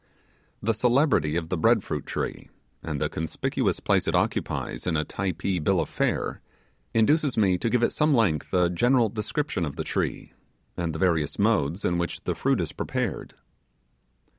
The celebrity of the bread fruit tree, and the conspicuous place it occupies in a Typee bill of fare, induces me to give at some length a general description of the tree, and the various modes in which the fruit is prepared.